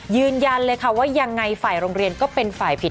ยืนยันเลยค่ะว่ายังไงฝ่ายโรงเรียนก็เป็นฝ่ายผิด